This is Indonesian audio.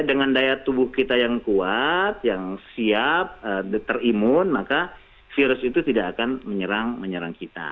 dengan daya tubuh kita yang kuat yang siap terimun maka virus itu tidak akan menyerang menyerang kita